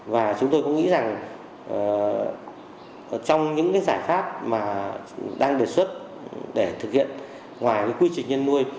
và chúng tôi cũng nghĩ rằng trong những giải pháp mà đang đề xuất để thực hiện ngoài quy trình nhân nuôi